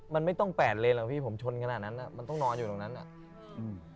มันไม่ต้องแปดเลนหรอกพี่ผมชนขนาดนั้นอ่ะมันต้องนอนอยู่ตรงนั้นอ่ะอืม